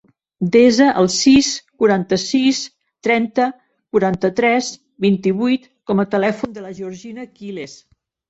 Desa el sis, quaranta-sis, trenta, quaranta-tres, vint-i-vuit com a telèfon de la Georgina Quiles.